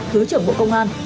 thứ trưởng bộ công an